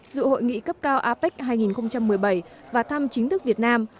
dự hội nghị cấp cao apec hai nghìn một mươi bảy và thăm chính thức việt nam